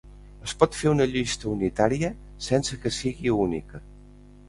Es pot fer una llista unitària sense que sigui única.